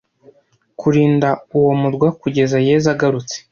kurinda uwo murwa kugeza yezu agarutse